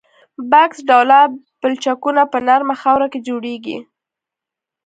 بکس ډوله پلچکونه په نرمه خاوره کې جوړیږي